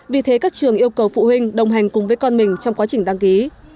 vì thế các trường yêu cầu phụ huynh đồng hành cùng với con mình trong quá trình đăng ký